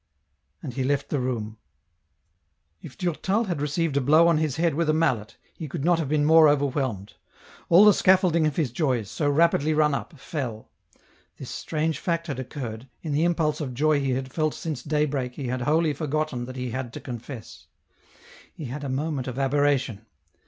And he left the room. If Durtal had received a blow on his head with a mallet, he could not been more overwhelmed. All the scaffold ing of his joys, so rapidly run up, fell. This strange fact had occurred, in the impulse of joy he had felt since daybreak he had wholly forgotten that he had to confess. He had a moment of aberration.